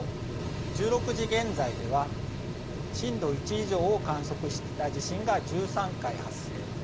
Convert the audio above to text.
１６時現在では、震度１以上を観測した地震が１３回発生。